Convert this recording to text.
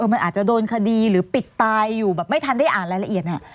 มันอาจจะโดนคดีหรือปิดตายอยู่แบบไม่ทันได้อ่านรายละเอียดเนี่ย